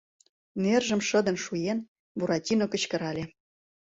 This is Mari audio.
— нержым шыдын шуен, Буратино кычкырале.